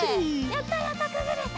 やったやったくぐれた！